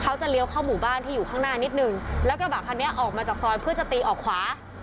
เลี้ยวเข้าหมู่บ้านที่อยู่ข้างหน้านิดนึงแล้วกระบะคันนี้ออกมาจากซอยเพื่อจะตีออกขวา